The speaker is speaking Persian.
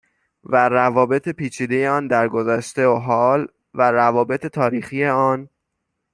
و روابط پیچیده آن در گذشته و حال و روابط تاریخی آن